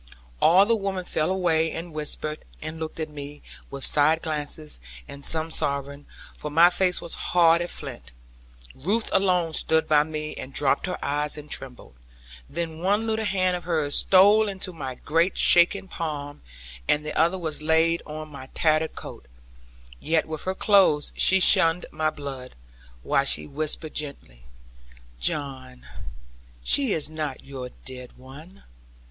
All the women fell away, and whispered, and looked at me, with side glances, and some sobbing; for my face was hard as flint. Ruth alone stood by me, and dropped her eyes, and trembled. Then one little hand of hers stole into my great shaking palm, and the other was laid on my tattered coat: yet with her clothes she shunned my blood, while she whispered gently, 'John, she is not your dead one.